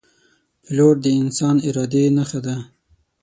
پیلوټ د انسان د ارادې نښه ده.